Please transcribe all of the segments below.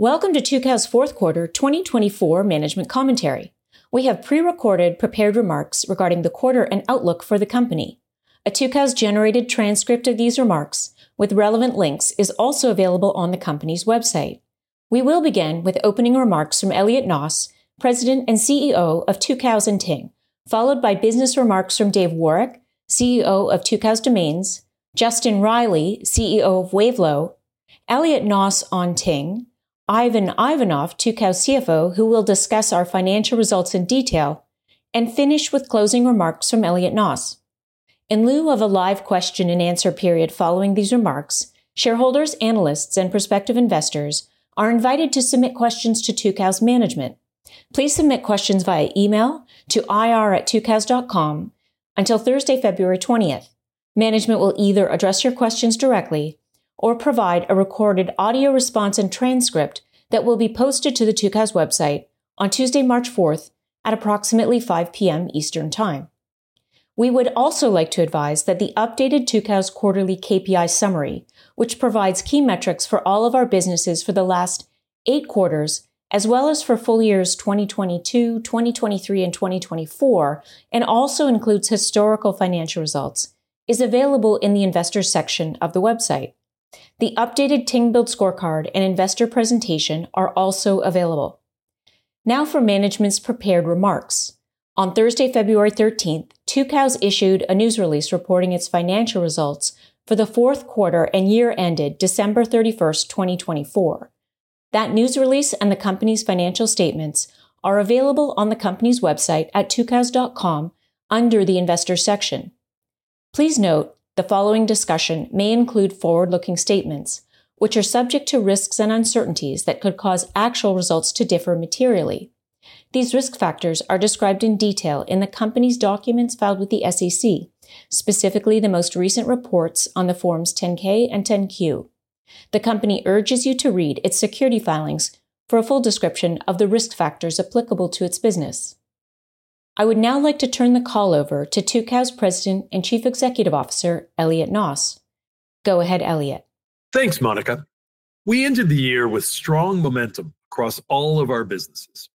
Welcome to Tucows Fourth Quarter 2024 Management Commentary. We have pre-recorded prepared remarks regarding the quarter and outlook for the company. A Tucows-generated transcript of these remarks, with relevant links, is also available on the company's website. We will begin with opening remarks from Elliot Noss, President and CEO of Tucows and Ting, followed by business remarks from Dave Woroch, CEO of Tucows Domains, Justin Reilly, CEO of Wavelo, Elliot Noss on Ting, Ivan Ivanov, Tucows CFO, who will discuss our financial results in detail, and finish with closing remarks from Elliot Noss. In lieu of a live question-and-answer period following these remarks, shareholders, analysts, and prospective investors are invited to submit questions to Tucows Management. Please submit questions via email to ir@tucows.com until Thursday, February 20thth. Management will either address your questions directly or provide a recorded audio response and transcript that will be posted to the Tucows website on Tuesday, March 4th, at approximately 5:00 P.M. Eastern Time. We would also like to advise that the updated Tucows Quarterly KPI Summary, which provides key metrics for all of our businesses for the last eight quarters, as well as for full years 2022, 2023, and 2024, and also includes historical financial results, is available in the Investor's section of the website. The updated Ting Build Scorecard and Investor Presentation are also available. Now for Management's prepared remarks. On Thursday, February 13th, Tucows issued a news release reporting its financial results for the fourth quarter and year ended December 31st, 2024. That news release and the company's financial statements are available on the company's website at tucows.com under the Investor's section. Please note the following discussion may include forward-looking statements, which are subject to risks and uncertainties that could cause actual results to differ materially. These risk factors are described in detail in the company's documents filed with the SEC, specifically the most recent reports on the forms 10-K and 10-Q. The company urges you to read its security filings for a full description of the risk factors applicable to its business. I would now like to turn the call over to Tucows President and Chief Executive Officer, Elliot Noss. Go ahead, Elliot. Thanks, Monica. We ended the year with strong momentum across all of our businesses.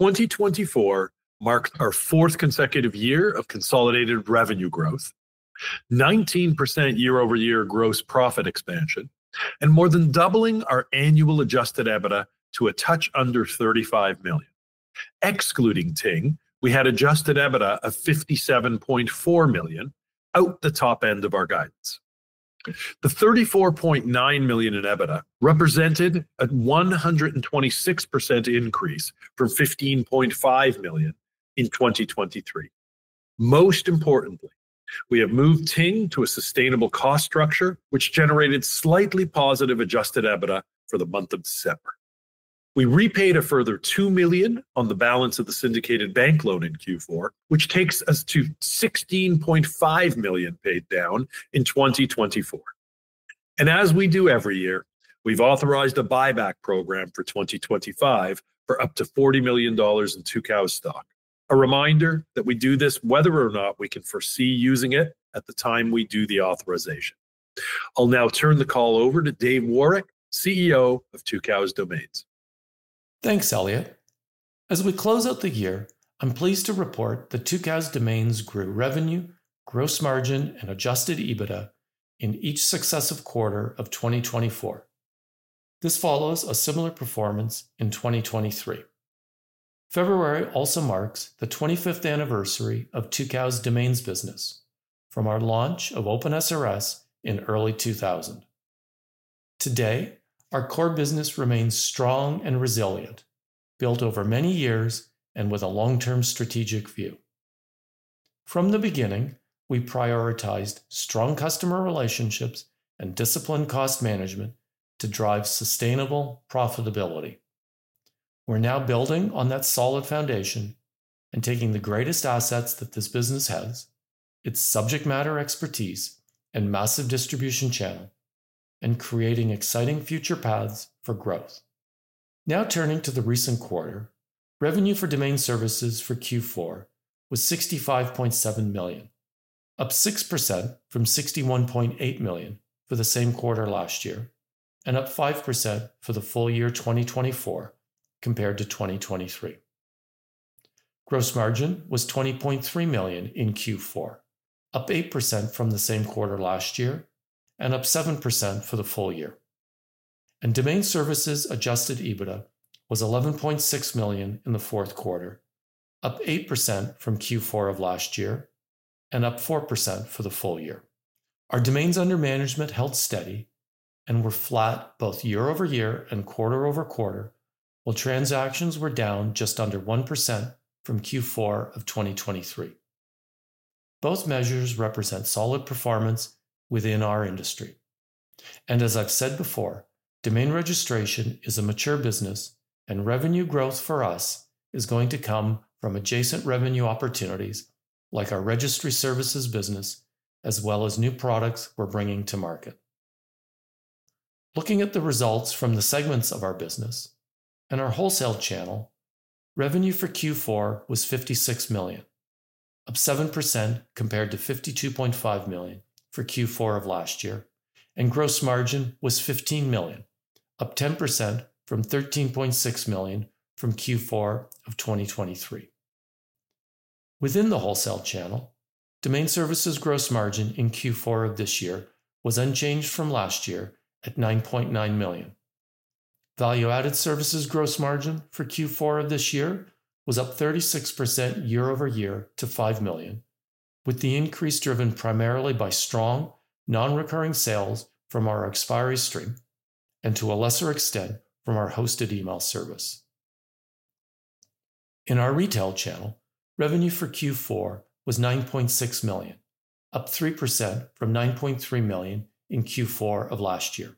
2024 marked our fourth consecutive year of consolidated revenue growth, 19% year-over-year gross profit expansion, and more than doubling our annual adjusted EBITDA to a touch under $35 million. Excluding Ting, we had adjusted EBITDA of $57.4 million at the top end of our guidance. The $34.9 million in EBITDA represented a 126% increase from $15.5 million in 2023. Most importantly, we have moved Ting to a sustainable cost structure, which generated slightly positive adjusted EBITDA for the month of December. We repaid a further $2 million on the balance of the syndicated bank loan in Q4, which takes us to $16.5 million paid down in 2024. As we do every year, we've authorized a buyback program for 2025 for up to $40 million in Tucows stock. A reminder that we do this whether or not we can foresee using it at the time we do the authorization. I'll now turn the call over to Dave Woroch, CEO of Tucows Domains. Thanks, Elliot. As we close out the year, I'm pleased to report that Tucows Domains grew revenue, gross margin, and adjusted EBITDA in each successive quarter of 2024. This follows a similar performance in 2023. February also marks the 25th anniversary of Tucows Domains business from our launch of OpenSRS in early 2000. Today, our core business remains strong and resilient, built over many years and with a long-term strategic view. From the beginning, we prioritized strong customer relationships and disciplined cost management to drive sustainable profitability. We're now building on that solid foundation and taking the greatest assets that this business has, its subject matter expertise and massive distribution channel, and creating exciting future paths for growth. Now turning to the recent quarter, revenue for domain services for Q4 was $65.7 million, up 6% from $61.8 million for the same quarter last year and up 5% for the full year 2024 compared to 2023. Gross margin was $20.3 million in Q4, up 8% from the same quarter last year and up 7% for the full year. Domain services adjusted EBITDA was $11.6 million in the fourth quarter, up 8% from Q4 of last year and up 4% for the full year. Our domains under management held steady and were flat both year-over-year and quarter-over-quarter while transactions were down just under 1% from Q4 of 2023. Both measures represent solid performance within our industry. As I've said before, domain registration is a mature business, and revenue growth for us is going to come from adjacent revenue opportunities like our registry services business, as well as new products we're bringing to market. Looking at the results from the segments of our business and our wholesale channel, revenue for Q4 was $56 million, up 7% compared to $52.5 million for Q4 of last year, and gross margin was $15 million, up 10% from $13.6 million from Q4 of 2023. Within the wholesale channel, domain services gross margin in Q4 of this year was unchanged from last year at $9.9 million. Value-added services gross margin for Q4 of this year was up 36% year-over-year to $5 million, with the increase driven primarily by strong, non-recurring sales from our expiry stream and to a lesser extent from our hosted email service. In our retail channel, revenue for Q4 was $9.6 million, up 3% from $9.3 million in Q4 of last year.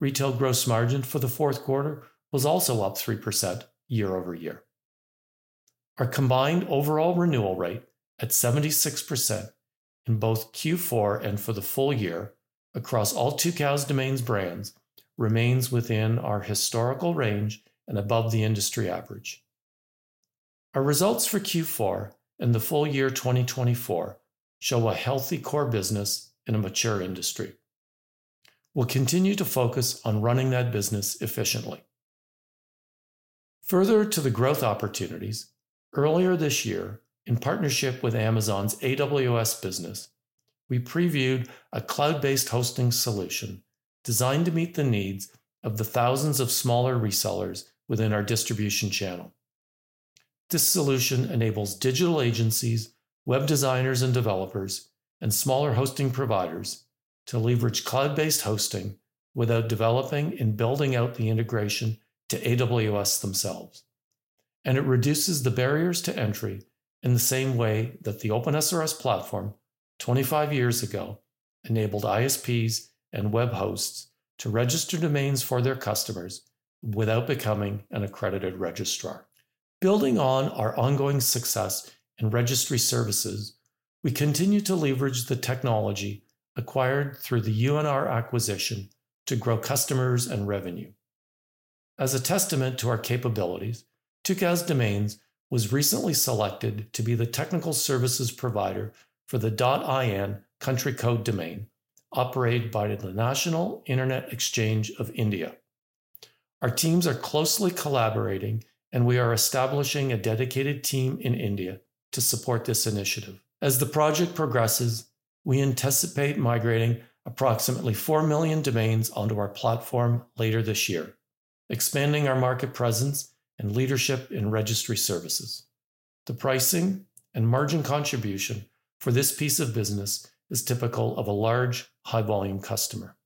Retail gross margin for the fourth quarter was also up 3% year-over-year. Our combined overall renewal rate at 76% in both Q4 and for the full year across all Tucows Domains brands remains within our historical range and above the industry average. Our results for Q4 and the full year 2024 show a healthy core business in a mature industry. We'll continue to focus on running that business efficiently. Further to the growth opportunities, earlier this year, in partnership with AWS, we previewed a cloud-based hosting solution designed to meet the needs of the thousands of smaller resellers within our distribution channel. This solution enables digital agencies, web designers and developers, and smaller hosting providers to leverage cloud-based hosting without developing and building out the integration to AWS themselves. It reduces the barriers to entry in the same way that the OpenSRS platform 25 years ago enabled ISPs and web hosts to register domains for their customers without becoming an accredited registrar. Building on our ongoing success in registry services, we continue to leverage the technology acquired through the UNR acquisition to grow customers and revenue. As a testament to our capabilities, Tucows Domains was recently selected to be the technical services provider for the .in country code domain operated by the National Internet Exchange of India. Our teams are closely collaborating, and we are establishing a dedicated team in India to support this initiative. As the project progresses, we anticipate migrating approximately 4 million domains onto our platform later this year, expanding our market presence and leadership in registry services. The pricing and margin contribution for this piece of business is typical of a large, high-volume customer.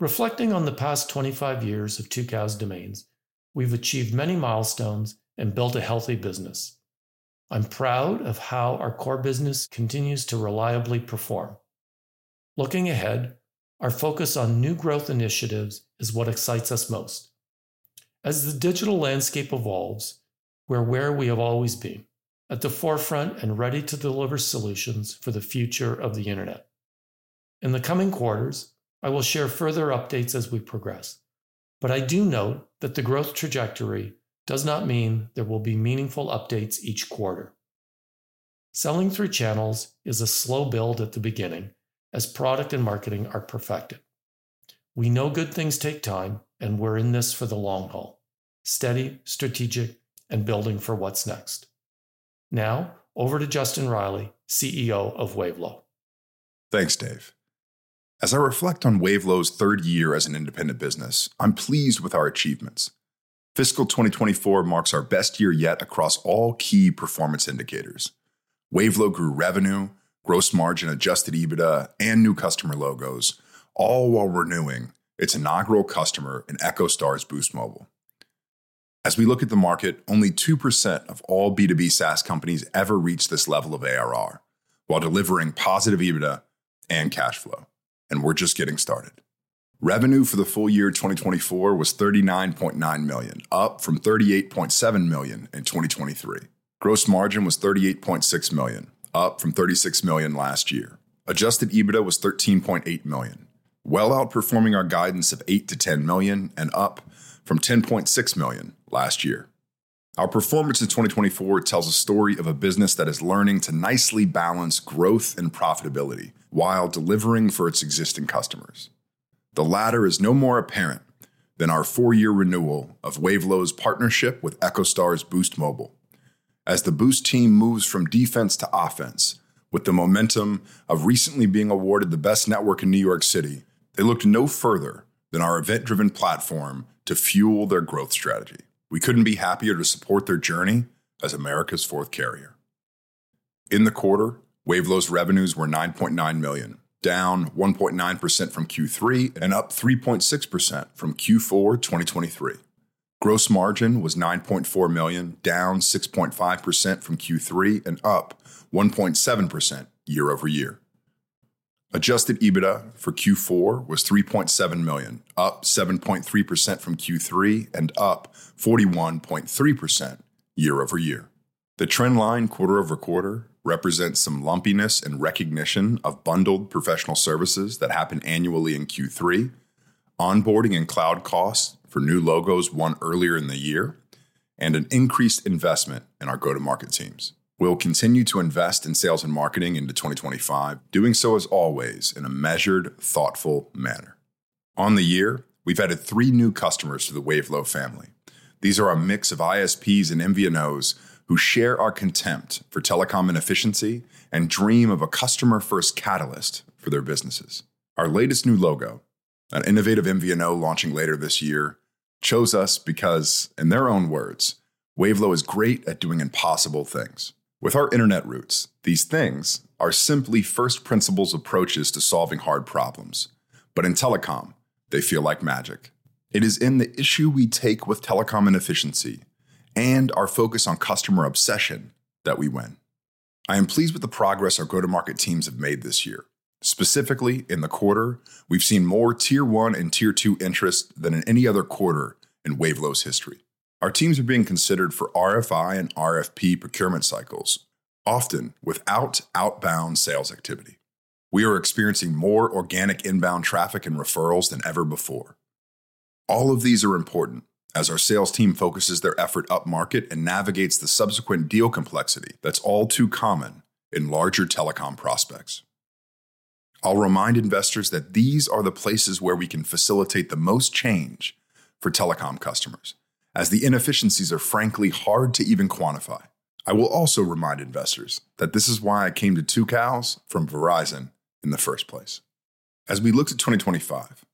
Reflecting on the past 25 years of Tucows Domains, we've achieved many milestones and built a healthy business. I'm proud of how our core business continues to reliably perform. Looking ahead, our focus on new growth initiatives is what excites us most. As the digital landscape evolves, we're where we have always been, at the forefront and ready to deliver solutions for the future of the internet. In the coming quarters, I will share further updates as we progress, but I do note that the growth trajectory does not mean there will be meaningful updates each quarter. Selling through channels is a slow build at the beginning as product and marketing are perfected. We know good things take time, and we're in this for the long haul: steady, strategic, and building for what's next. Now, over to Justin Reilly, CEO of Wavelo. Thanks, Dave. As I reflect on Wavelo's third year as an independent business, I'm pleased with our achievements. Fiscal 2024 marks our best year yet across all key performance indicators. Wavelo grew revenue, gross margin, adjusted EBITDA, and new customer logos, all while renewing its inaugural customer in EchoStar's Boost Mobile. As we look at the market, only 2% of all B2B SaaS companies ever reached this level of ARR while delivering positive EBITDA and cash flow, and we're just getting started. Revenue for the full year 2024 was $39.9 million, up from $38.7 million in 2023. Gross margin was $38.6 million, up from $36 million last year. Adjusted EBITDA was $13.8 million, well outperforming our guidance of $8 million-$10 million and up from $10.6 million last year. Our performance in 2024 tells a story of a business that is learning to nicely balance growth and profitability while delivering for its existing customers. The latter is no more apparent than our four-year renewal of Wavelo's partnership with EchoStar's Boost Mobile. As the Boost team moves from defense to offense, with the momentum of recently being awarded the Best Network in New York City, they looked no further than our event-driven platform to fuel their growth strategy. We couldn't be happier to support their journey as America's fourth carrier. In the quarter, Wavelo's revenues were $9.9 million, down 1.9% from Q3 and up 3.6% from Q4 2023. Gross margin was $9.4 million, down 6.5% from Q3 and up 1.7% year-over-year. Adjusted EBITDA for Q4 was $3.7 million, up 7.3% from Q3 and up 41.3% year-over-year. The trend line quarter-over-quarter represents some lumpiness and recognition of bundled professional services that happen annually in Q3, onboarding and cloud costs for new logos won earlier in the year, and an increased investment in our go-to-market teams. We'll continue to invest in sales and marketing into 2025, doing so, as always, in a measured, thoughtful manner. On the year, we've added three new customers to the Wavelo family. These are a mix of ISPs and MVNOs who share our contempt for telecom inefficiency and dream of a customer-first catalyst for their businesses. Our latest new logo, an innovative MVNO launching later this year, chose us because, in their own words, Wavelo is great at doing impossible things. With our internet roots, these things are simply first principles approaches to solving hard problems, but in telecom, they feel like magic. It is in the issue we take with telecom inefficiency and our focus on customer obsession that we win. I am pleased with the progress our go-to-market teams have made this year. Specifically, in the quarter, we've seen more tier one and tier two interest than in any other quarter in Wavelo's history. Our teams are being considered for RFI and RFP procurement cycles, often without outbound sales activity. We are experiencing more organic inbound traffic and referrals than ever before. All of these are important as our sales team focuses their effort up market and navigates the subsequent deal complexity that's all too common in larger telecom prospects. I'll remind investors that these are the places where we can facilitate the most change for telecom customers, as the inefficiencies are frankly hard to even quantify. I will also remind investors that this is why I came to Tucows from Verizon in the first place. As we look to 2025,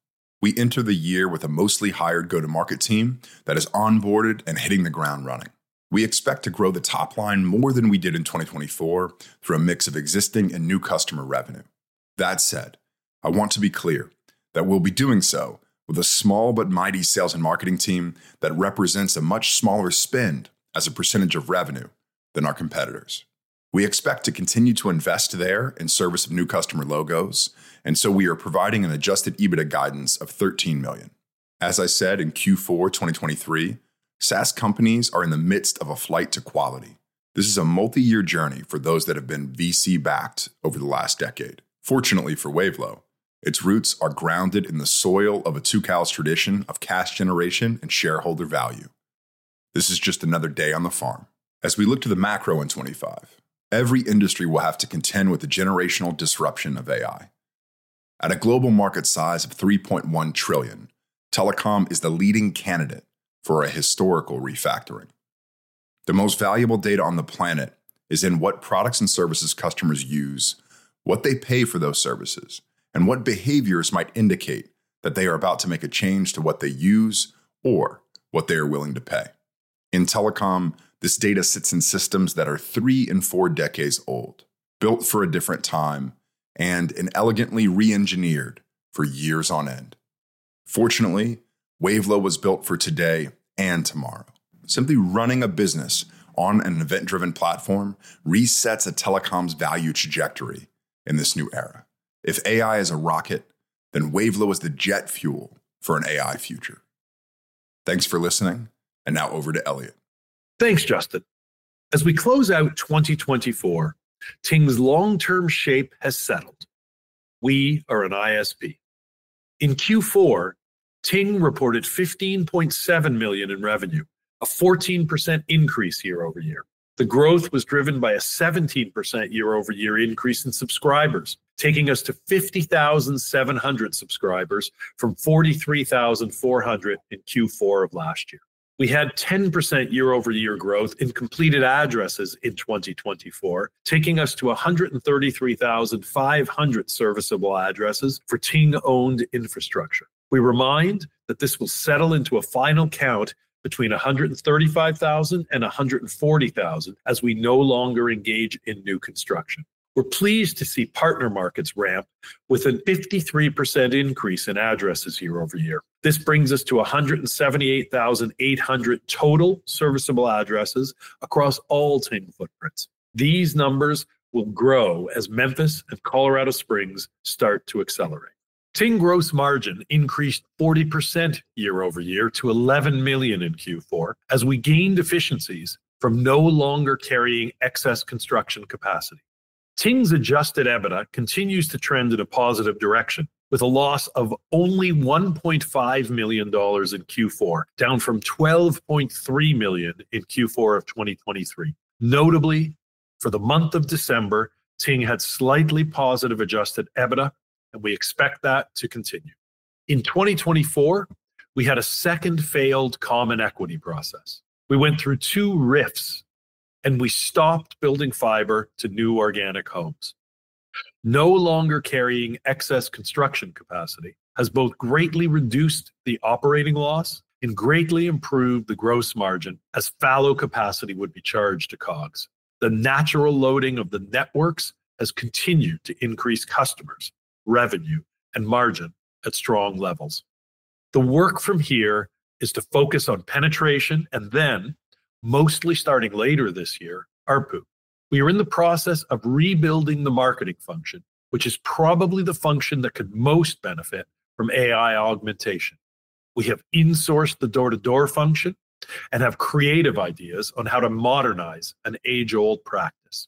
we enter the year with a mostly hired go-to-market team that is onboarded and hitting the ground running. We expect to grow the top line more than we did in 2024 through a mix of existing and new customer revenue. That said, I want to be clear that we'll be doing so with a small but mighty sales and marketing team that represents a much smaller spend as a percentage of revenue than our competitors. We expect to continue to invest there in service of new customer logos, and so we are providing an adjusted EBITDA guidance of $13 million. As I said in Q4 2023, SaaS companies are in the midst of a flight to quality. This is a multi-year journey for those that have been VC-backed over the last decade. Fortunately for Wavelo, its roots are grounded in the soil of a Tucows tradition of cash generation and shareholder value. This is just another day on the farm. As we look to the macro in 2025, every industry will have to contend with the generational disruption of AI. At a global market size of $3.1 trillion, telecom is the leading candidate for a historical refactoring. The most valuable data on the planet is in what products and services customers use, what they pay for those services, and what behaviors might indicate that they are about to make a change to what they use or what they are willing to pay. In telecom, this data sits in systems that are three and four decades old, built for a different time, and elegantly re-engineered for years on end. Fortunately, Wavelo was built for today and tomorrow. Simply running a business on an event-driven platform resets a telecom's value trajectory in this new era. If AI is a rocket, then Wavelo is the jet fuel for an AI future. Thanks for listening, and now over to Elliot. Thanks, Justin. As we close out 2024, Ting's long-term shape has settled. We are an ISP. In Q4, Ting reported $15.7 million in revenue, a 14% increase year-over-year. The growth was driven by a 17% year-over-year increase in subscribers, taking us to 50,700 subscribers from 43,400 in Q4 of last year. We had 10% year-over-year growth in completed addresses in 2024, taking us to 133,500 serviceable addresses for Ting-owned infrastructure. We remind that this will settle into a final count between 135,000 and 140,000 as we no longer engage in new construction. We're pleased to see partner markets ramp with a 53% increase in addresses year-over-year. This brings us to 178,800 total serviceable addresses across all Ting footprints. These numbers will grow as Memphis and Colorado Springs start to accelerate. Ting gross margin increased 40% year-over-year to $11 million in Q4 as we gained efficiencies from no longer carrying excess construction capacity. Ting's adjusted EBITDA continues to trend in a positive direction, with a loss of only $1.5 million in Q4, down from $12.3 million in Q4 of 2023. Notably, for the month of December, Ting had slightly positive adjusted EBITDA, and we expect that to continue. In 2024, we had a second failed common equity process. We went through two rifts, and we stopped building fiber to new organic homes. No longer carrying excess construction capacity has both greatly reduced the operating loss and greatly improved the gross margin as fallow capacity would be charged to COGS. The natural loading of the networks has continued to increase customers, revenue, and margin at strong levels. The work from here is to focus on penetration and then, mostly starting later this year, ARPU. We are in the process of rebuilding the marketing function, which is probably the function that could most benefit from AI augmentation. We have insourced the door-to-door function and have creative ideas on how to modernize an age-old practice.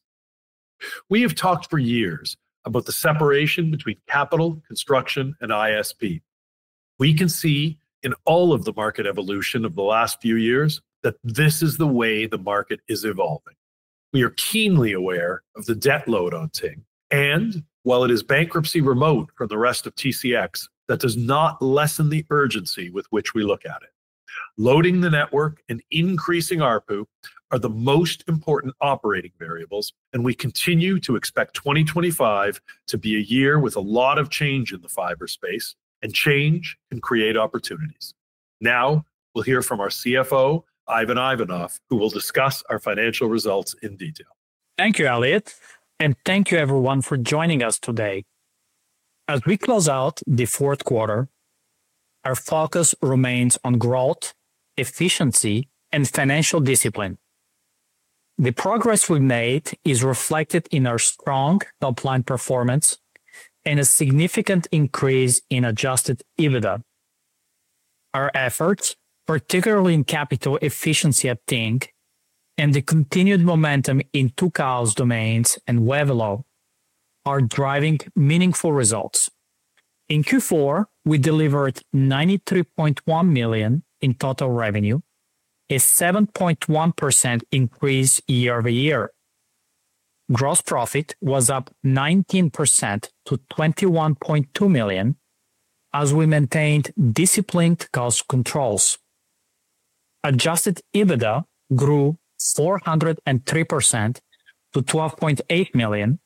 We have talked for years about the separation between capital, construction, and ISP. We can see in all of the market evolution of the last few years that this is the way the market is evolving. We are keenly aware of the debt load on Ting, and while it is bankruptcy remote from the rest of TCX, that does not lessen the urgency with which we look at it. Loading the network and increasing ARPU are the most important operating variables, and we continue to expect 2025 to be a year with a lot of change in the fiber space, and change can create opportunities. Now, we'll hear from our CFO, Ivan Ivanov, who will discuss our financial results in detail. Thank you, Elliot, and thank you, everyone, for joining us today. As we close out the fourth quarter, our focus remains on growth, efficiency, and financial discipline. The progress we've made is reflected in our strong top-line performance and a significant increase in adjusted EBITDA. Our efforts, particularly in capital efficiency at Ting and the continued momentum in Tucows Domains and Wavelo, are driving meaningful results. In Q4, we delivered $93.1 million in total revenue, a 7.1% increase year-over-year. Gross profit was up 19% to $21.2 million as we maintained disciplined cost controls. Adjusted EBITDA grew 403% to $12.8 million,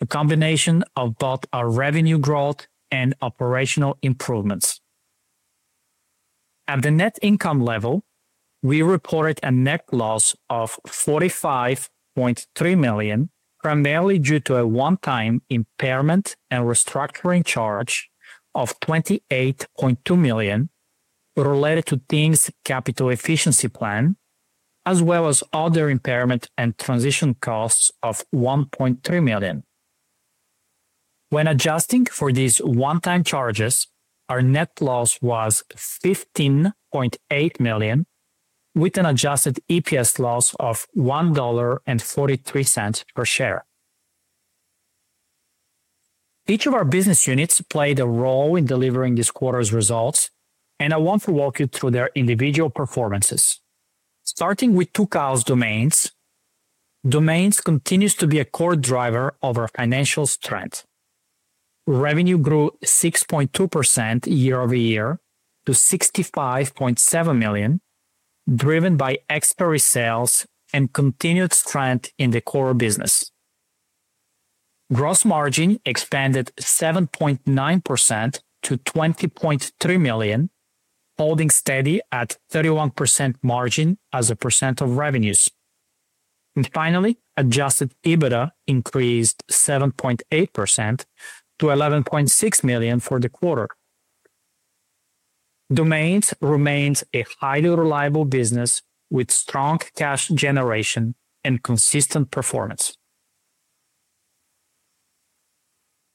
a combination of both our revenue growth and operational improvements. At the net income level, we reported a net loss of $45.3 million, primarily due to a one-time impairment and restructuring charge of $28.2 million related to Ting's capital efficiency plan, as well as other impairment and transition costs of $1.3 million. When adjusting for these one-time charges, our net loss was $15.8 million, with an adjusted EPS loss of $1.43 per share. Each of our business units played a role in delivering this quarter's results, and I want to walk you through their individual performances. Starting with Tucows Domains, Domains continues to be a core driver of our financial strength. Revenue grew 6.2% year-over-year to $65.7 million, driven by expiry sales and continued strength in the core business. Gross margin expanded 7.9% to $20.3 million, holding steady at 31% margin as a percent of revenues. Finally, adjusted EBITDA increased 7.8% to $11.6 million for the quarter. Domains remains a highly reliable business with strong cash generation and consistent performance.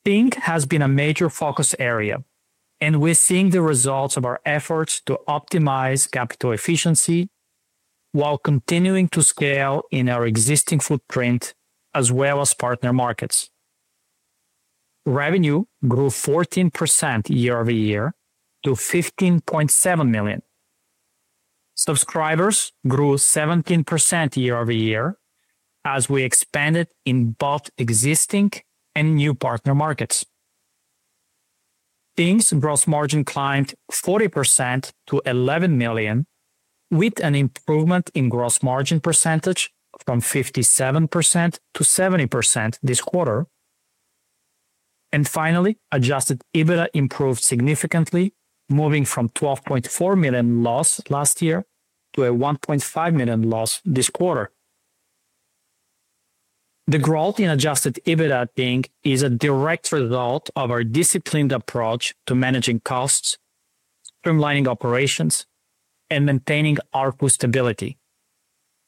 Ting has been a major focus area, and we're seeing the results of our efforts to optimize capital efficiency while continuing to scale in our existing footprint as well as partner markets. Revenue grew 14% year-over-year to $15.7 million. Subscribers grew 17% year-over-year as we expanded in both existing and new partner markets. Ting's gross margin climbed 40% to $11 million, with an improvement in gross margin percentage from 57% to 70% this quarter. Finally, adjusted EBITDA improved significantly, moving from $12.4 million loss last year to a $1.5 million loss this quarter. The growth in adjusted EBITDA at Ting is a direct result of our disciplined approach to managing costs, streamlining operations, and maintaining ARPU stability.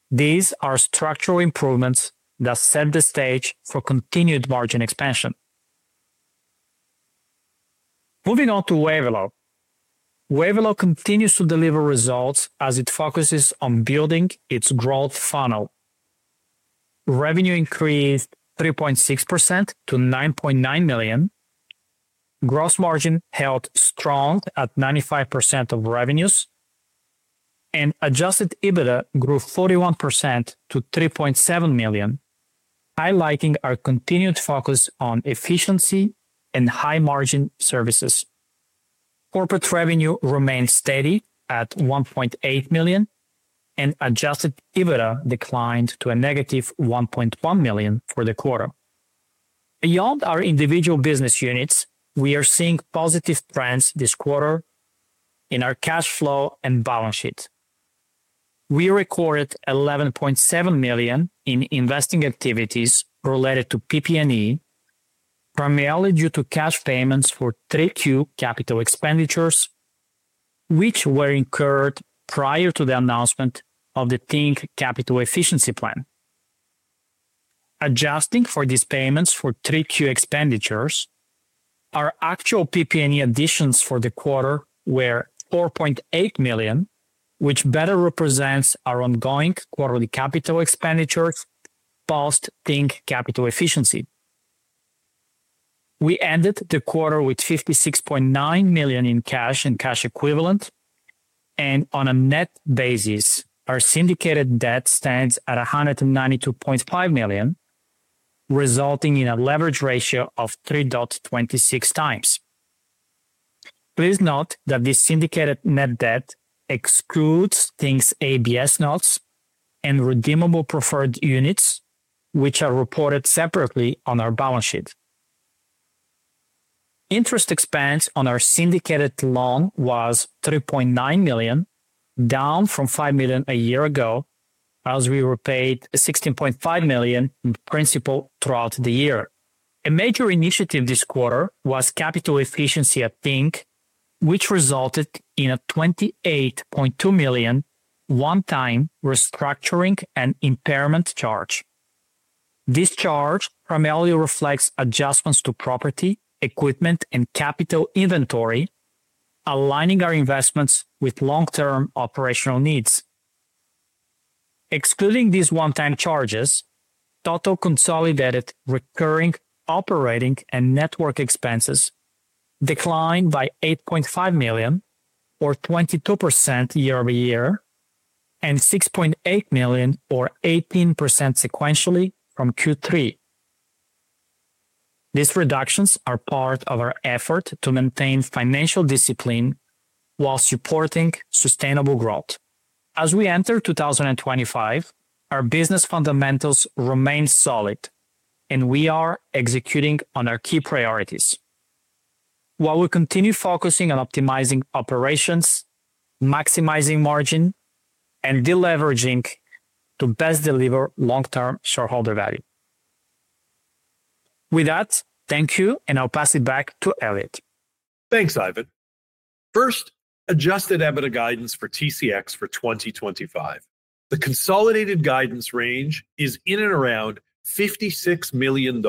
These are structural improvements that set the stage for continued margin expansion. Moving on to Wavelo, Wavelo continues to deliver results as it focuses on building its growth funnel. Revenue increased 3.6% to $9.9 million. Gross margin held strong at 95% of revenues, and adjusted EBITDA grew 41% to $3.7 million, highlighting our continued focus on efficiency and high-margin services. Corporate revenue remained steady at $1.8 million, and adjusted EBITDA declined to a -$1.1 million for the quarter. Beyond our individual business units, we are seeing positive trends this quarter in our cash flow and balance sheet. We recorded $11.7 million in investing activities related to PP&E, primarily due to cash payments for 3Q capital expenditures, which were incurred prior to the announcement of the Ting capital efficiency plan. Adjusting for these payments for 3Q expenditures, our actual PP&E additions for the quarter were $4.8 million, which better represents our ongoing quarterly capital expenditures post Ting capital efficiency. We ended the quarter with $56.9 million in cash and cash equivalent, and on a net basis, our syndicated debt stands at $192.5 million, resulting in a leverage ratio of 3.26x. Please note that this syndicated net debt excludes Ting's ABS notes and redeemable preferred units, which are reported separately on our balance sheet. Interest expense on our syndicated loan was $3.9 million, down from $5 million a year ago, as we were paid $16.5 million in principal throughout the year. A major initiative this quarter was capital efficiency at Ting, which resulted in a $28.2 million one-time restructuring and impairment charge. This charge primarily reflects adjustments to property, equipment, and capital inventory, aligning our investments with long-term operational needs. Excluding these one-time charges, total consolidated recurring operating and network expenses declined by $8.5 million, or 22% year-over-year, and $6.8 million, or 18% sequentially from Q3. These reductions are part of our effort to maintain financial discipline while supporting sustainable growth. As we enter 2025, our business fundamentals remain solid, and we are executing on our key priorities while we continue focusing on optimizing operations, maximizing margin, and deleveraging to best deliver long-term shareholder value. With that, thank you, and I'll pass it back to Elliot. Thanks, Ivan. First, adjusted EBITDA guidance for TCX for 2025. The consolidated guidance range is in and around $56 million,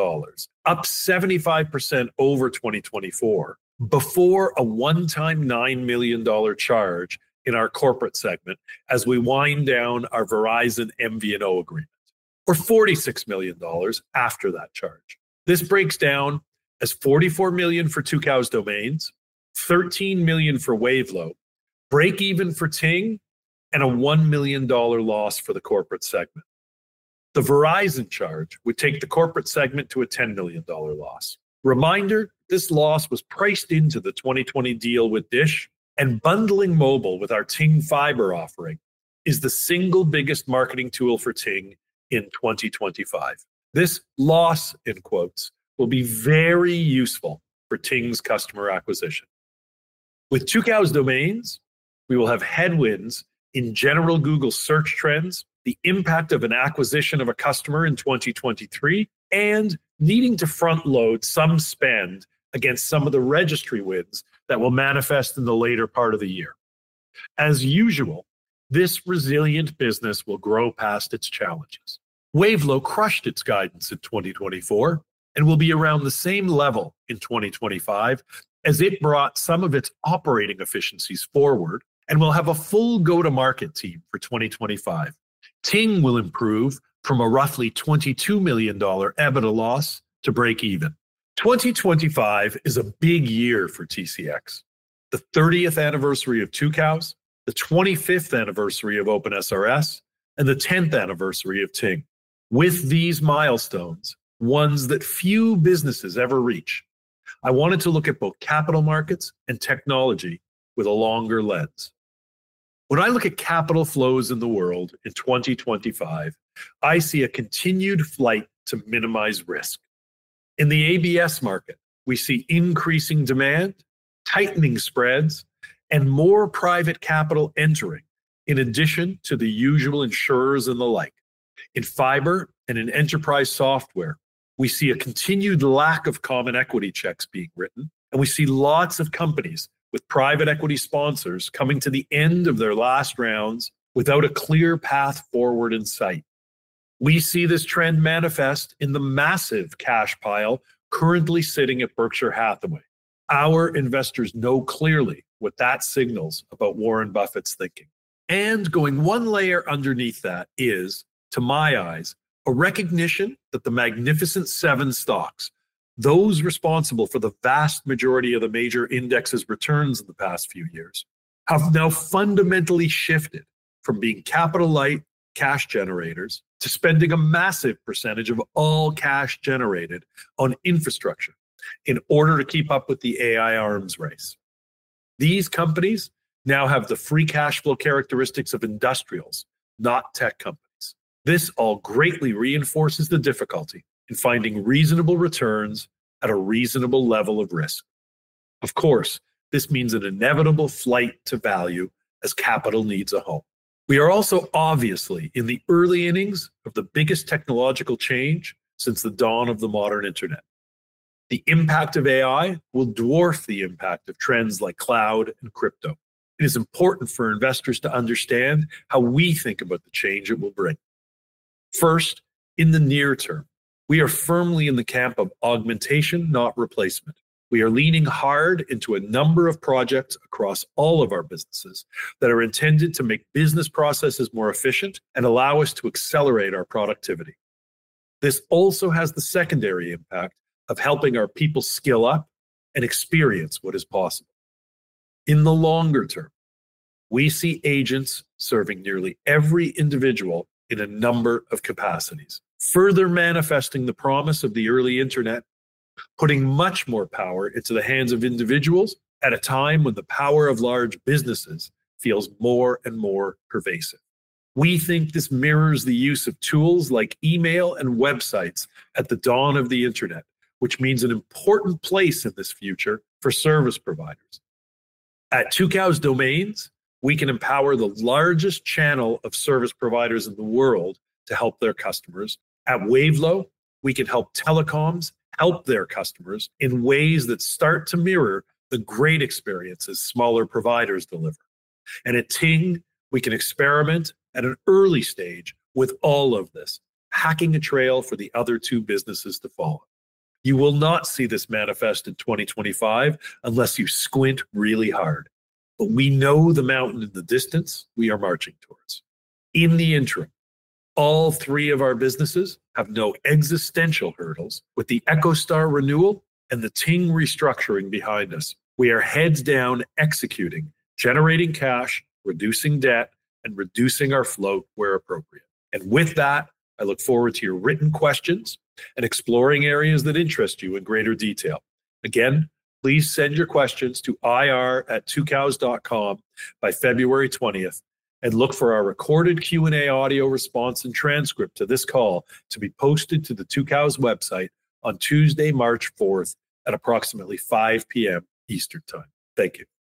up 75% over 2024, before a one-time $9 million charge in our corporate segment as we wind down our Verizon MVNO agreement, or $46 million after that charge. This breaks down as $44 million for Tucows Domains, $13 million for Wavelo, break-even for Ting, and a $1 million loss for the corporate segment. The Verizon charge would take the corporate segment to a $10 million loss. Reminder, this loss was priced into the 2020 deal with DISH, and bundling mobile with our Ting fiber offering is the single biggest marketing tool for Ting in 2025. This loss in quotes will be very useful for Ting's customer acquisition. With Tucows Domains, we will have headwinds in general Google search trends, the impact of an acquisition of a customer in 2023, and needing to front-load some spend against some of the registry wins that will manifest in the later part of the year. As usual, this resilient business will grow past its challenges. Wavelo crushed its guidance in 2024 and will be around the same level in 2025 as it brought some of its operating efficiencies forward and will have a full go-to-market team for 2025. Ting will improve from a roughly $22 million EBITDA loss to break-even. 2025 is a big year for TCX, the 30th anniversary of Tucows, the 25th anniversary of OpenSRS, and the 10th anniversary of Ting. With these milestones, ones that few businesses ever reach, I wanted to look at both capital markets and technology with a longer lens. When I look at capital flows in the world in 2025, I see a continued flight to minimize risk. In the ABS market, we see increasing demand, tightening spreads, and more private capital entering in addition to the usual insurers and the like. In fiber and in enterprise software, we see a continued lack of common equity checks being written, and we see lots of companies with private equity sponsors coming to the end of their last rounds without a clear path forward in sight. We see this trend manifest in the massive cash pile currently sitting at Berkshire Hathaway. Our investors know clearly what that signals about Warren Buffett's thinking. Going one layer underneath that is, to my eyes, a recognition that the Magnificent Seven stocks, those responsible for the vast majority of the major indexes' returns in the past few years, have now fundamentally shifted from being capital-light cash generators to spending a massive percentage of all cash generated on infrastructure in order to keep up with the AI arms race. These companies now have the free cash flow characteristics of industrials, not tech companies. This all greatly reinforces the difficulty in finding reasonable returns at a reasonable level of risk. Of course, this means an inevitable flight to value as capital needs a home. We are also obviously in the early innings of the biggest technological change since the dawn of the modern internet. The impact of AI will dwarf the impact of trends like cloud and crypto. It is important for investors to understand how we think about the change it will bring. First, in the near term, we are firmly in the camp of augmentation, not replacement. We are leaning hard into a number of projects across all of our businesses that are intended to make business processes more efficient and allow us to accelerate our productivity. This also has the secondary impact of helping our people skill up and experience what is possible. In the longer term, we see agents serving nearly every individual in a number of capacities, further manifesting the promise of the early internet, putting much more power into the hands of individuals at a time when the power of large businesses feels more and more pervasive. We think this mirrors the use of tools like email and websites at the dawn of the internet, which means an important place in this future for service providers. At Tucows Domains, we can empower the largest channel of service providers in the world to help their customers. At Wavelo, we can help telecoms help their customers in ways that start to mirror the great experiences smaller providers deliver. At Ting, we can experiment at an early stage with all of this, hacking a trail for the other two businesses to follow. You will not see this manifest in 2025 unless you squint really hard, but we know the mountain in the distance we are marching towards. In the interim, all three of our businesses have no existential hurdles. With the EchoStar renewal and the Ting restructuring behind us, we are heads down executing, generating cash, reducing debt, and reducing our float where appropriate. I look forward to your written questions and exploring areas that interest you in greater detail. Please send your questions to ir@tucows.com by February 20th, and look for our recorded Q&A audio response and transcript to this call to be posted to the Tucows website on Tuesday, March 4th at approximately 5:00 P.M. Eastern time. Thank you.